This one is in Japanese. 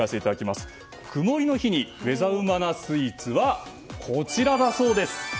曇りの日にウェザうまなスイーツは、こちらです。